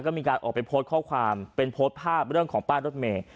ก็มีการออกไปโพสต์ข้อความเป็นโพสต์ภาพเรื่องของป้ายรถเมย์